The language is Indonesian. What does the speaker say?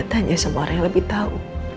kamu gak tanya sama orang yang lebih tahu